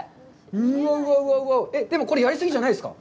でも、これ、やり過ぎじゃないですか？